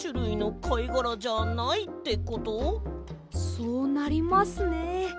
そうなりますね。